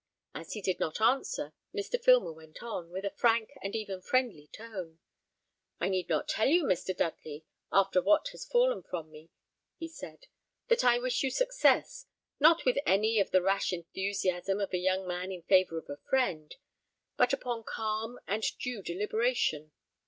As he did not answer, Mr. Filmer went on, with a frank and even friendly tone: "I need not tell you, Mr. Dudley, after what has fallen from me," he said, "that I wish you success, not with any of the rash enthusiasm of a young man in favour of a friend, but upon calm and due deliberation.